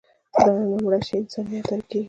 که دا رڼا مړه شي، انسانیت تیاره کېږي.